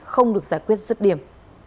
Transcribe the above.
không được giải quyết xuất điểm